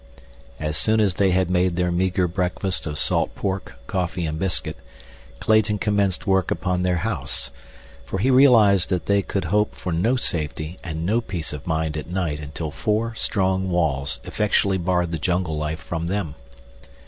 As soon as they had made their meager breakfast of salt pork, coffee and biscuit, Clayton commenced work upon their house, for he realized that they could hope for no safety and no peace of mind at night until four strong walls effectually barred the jungle life from them.